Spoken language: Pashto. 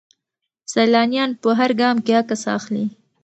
سیلانیان په هر ګام کې عکس اخلي.